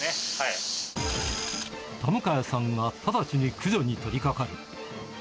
田迎さんは直ちに駆除に取り掛かる。